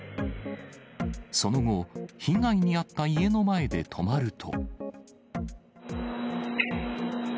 その後、被害に遭った家の前で止まると。